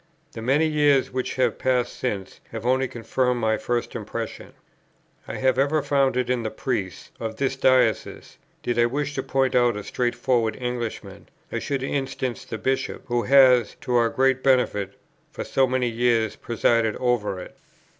The many years, which have passed since, have only confirmed my first impression. I have ever found it in the priests of this Diocese; did I wish to point out a straightforward Englishman, I should instance the Bishop, who has, to our great benefit, for so many years presided over it.